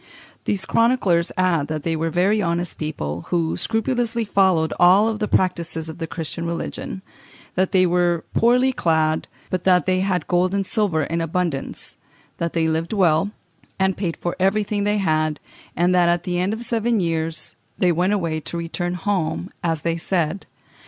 These chroniclers add that they were very honest people, who scrupulously followed all the practices of the Christian religion; that they were poorly clad, but that they had gold and silver in abundance; that they lived well, and paid for everything they had; and that, at the end of seven years, they went away to return home, as they said.